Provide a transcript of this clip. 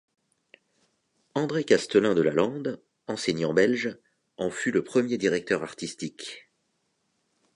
André Castelein de la Lande, enseignant belge, en fut le premier directeur artistique.